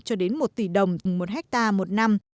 cho đến một tỷ đồng một hectare một năm